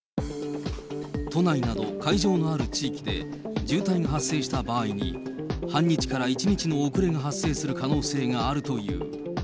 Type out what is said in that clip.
都内など会場のある地域で、渋滞が発生した場合に、半日から１日の遅れが発生する可能性があるという。